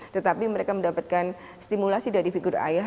tetapi mereka mendapatkan stimulasi dari figur ayah